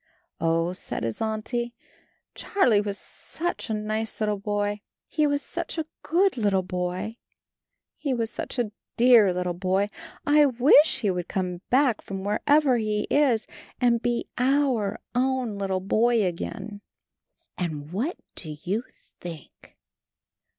"Oh," said his Auntie, "Charlie was such a nice little boy, he was such a good little boy, he was such a dear little boy, I wish he would come back from wherever he is and be our own little boy again." 36 CHARLIE And what do you think?